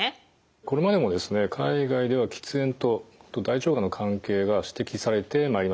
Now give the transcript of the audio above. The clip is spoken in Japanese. これまでも海外では喫煙と大腸がんの関係が指摘されてまいりました。